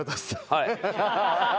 はい。